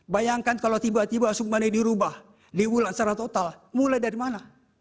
bayangkan kalau tiba tiba sumbanedi dirubah diulang secara total mulai dari mana